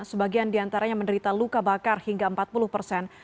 sebagian diantaranya menderita luka bakar hingga empat puluh persen